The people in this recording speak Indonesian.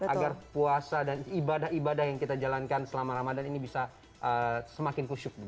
agar puasa dan ibadah ibadah yang kita jalankan selama ramadan ini bisa semakin kusyuk